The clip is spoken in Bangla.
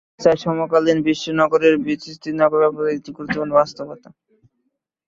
এতটুকু বলতে চাই, সমকালীন বিশ্বে নগরের বিস্তৃতির ব্যাপকতা একটি গুরুত্বপূর্ণ বাস্তবতা।